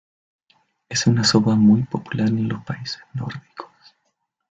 Es una sopa muy popular en los países nórdicos.